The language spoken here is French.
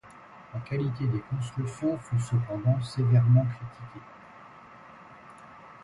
La qualité des constructions fut cependant sévèrement critiquée.